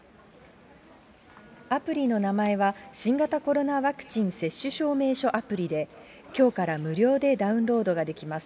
アプリの名前は、新型コロナワクチン接種証明書アプリで、きょうから無料でダウンロードができます。